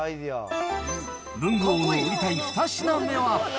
文具王の売りたい２品目は。